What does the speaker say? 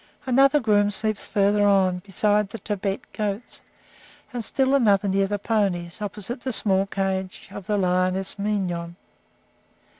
Another groom sleeps farther on, beside the Tibet goats, and still another near the ponies, opposite the small cage of the lioness Mignon.